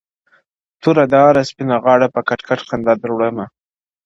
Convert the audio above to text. توره داره سپینه غاړه په کټ کټ خندا در وړمه.